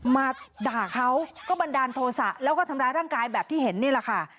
มาด่าเขาก็บันดาลโทษะแล้วก็ทำร้ายร่างกายแบบที่เห็นนี่แหละค่ะ